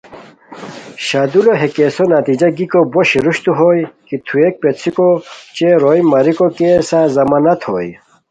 شاہ دولہ ہے کیسو نتیجہ گیکو بو شیروشتو ہوئے کی تھویک پیڅھیکو اوچے روئے ماریکو کیسہ ضمانت ہوئے